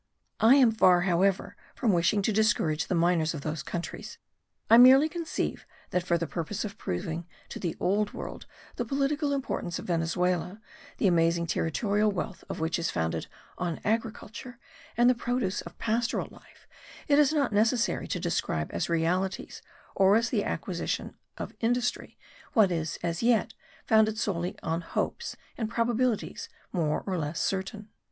I am far, however, from wishing to discourage the miners of those countries: I merely conceive that for the purpose of proving to the old world the political importance of Venezuela, the amazing territorial wealth of which is founded on agriculture and the produce of pastoral life, it is not necessary to describe as realities, or as the acquisitions of industry, what is, as yet, founded solely on hopes and probabilities more or less uncertain.